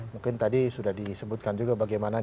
mungkin tadi sudah disebutkan juga bagaimana